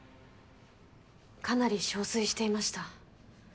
かなり憔悴していました。